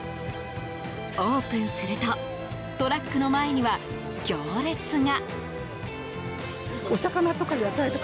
オープンするとトラックの前には行列が。